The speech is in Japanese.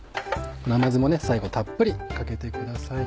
甘酢もね最後たっぷりかけてください。